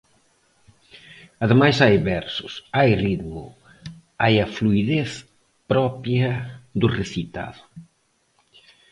Ademais hai versos, hai ritmo, hai a fluidez propia do recitado.